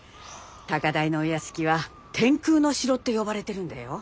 高台のお屋敷は天空の城って呼ばれてるんだよ。